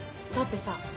だってさ